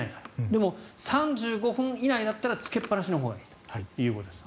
でも、３５分以内だったらつけっぱなしのほうがいいということです。